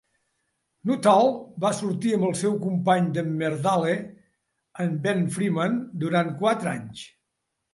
Nuttall va sortir amb al seu company "d'Emmerdale", en Ben Freeman, durant quatre anys.